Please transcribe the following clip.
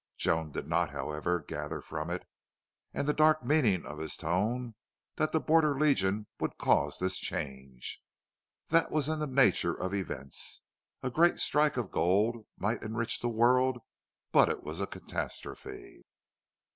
Joan did not, however, gather from it, and the dark meaning of his tone, that the Border Legion would cause this change. That was in the nature of events. A great strike of gold might enrich the world, but it was a catastrophe.